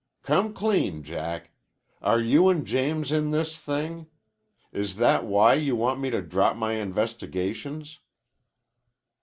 Come clean, Jack! Are you and James in this thing? Is that why you want me to drop my investigations?"